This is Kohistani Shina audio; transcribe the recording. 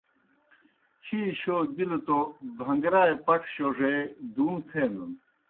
ہی شو بِلوْ توْ بھن٘گرائے پٹھہ شوڙے دُوم تھینَن۔